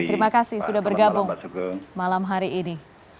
terima kasih sudah bergabung malam hari ini